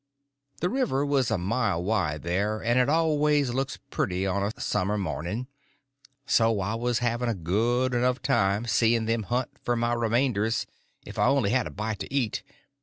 The river was a mile wide there, and it always looks pretty on a summer morning—so I was having a good enough time seeing them hunt for my remainders if I only had a bite to eat.